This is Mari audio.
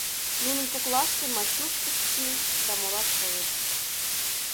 Нунын коклаште Мачуш Кысти да молат койыт.